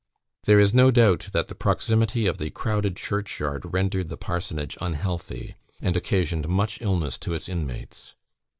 There is no doubt that the proximity of the crowded church yard rendered the Parsonage unhealthy, and occasioned much illness to its inmates.